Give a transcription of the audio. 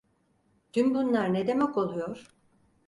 Tüm bunlar ne demek oluyor?